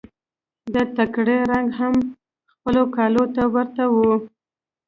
د ټکري رنګ يې هم خپلو کاليو ته ورته و.